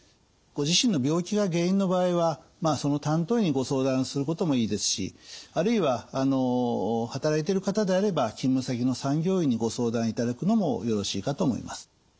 ご自身の病気が原因の場合はその担当医にご相談することもいいですしあるいは働いてる方であれば勤務先の産業医にご相談いただくのもよろしいかと思います。